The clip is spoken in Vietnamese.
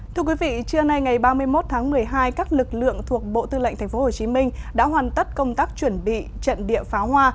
thưa quý vị trưa nay ngày ba mươi một tháng một mươi hai các lực lượng thuộc bộ tư lệnh tp hcm đã hoàn tất công tác chuẩn bị trận địa phá hoa